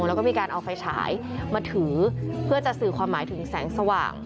แล้วก็มีการเอาไฟฉายมาถือเพื่อจะสื่อความหมายถึงแสงสว่าง